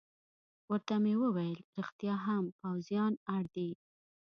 ورته مې وویل: رښتیا هم، پوځیان اړ دي.